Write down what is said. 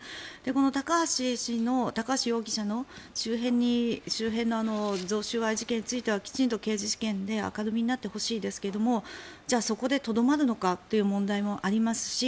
この高橋容疑者の周辺の贈収賄事件についてはきちんと刑事事件で明るみになってほしいですけれどそこでとどまるのかという問題もありますし